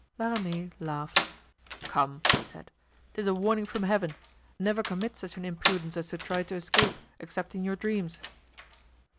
La Ramee laughed. "Come," he said, "'tis a warning from Heaven. Never commit such an imprudence as to try to escape, except in your dreams."